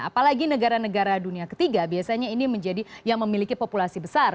apalagi negara negara dunia ketiga biasanya ini menjadi yang memiliki populasi besar